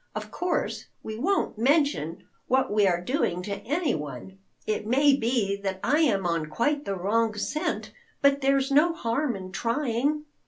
Of course we won't mention what we are doing to anyone. It may be that I am on quite the wrong scent. But there's no harm in trying."